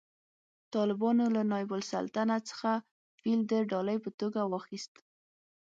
طالبانو له نایب السلطنه څخه فیل د ډالۍ په توګه واخیست